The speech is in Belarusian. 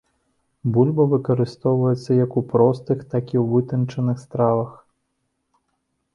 Бульба выкарыстоўваецца як у простых, так і ў вытанчаных стравах.